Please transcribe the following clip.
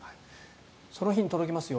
その日に届きますよ